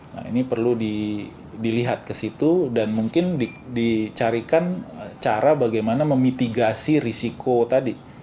nah ini perlu dilihat ke situ dan mungkin dicarikan cara bagaimana memitigasi risiko tadi